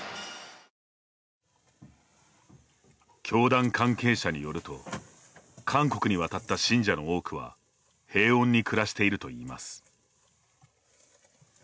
教団関係者によると韓国に渡った信者の多くは平穏に暮らしているといいます。